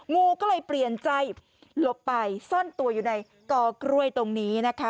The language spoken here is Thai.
งูก็เลยเปลี่ยนใจหลบไปซ่อนตัวอยู่ในกอกล้วยตรงนี้นะคะ